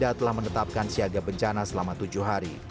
pemerintah telah menetapkan siaga bencana selama tujuh hari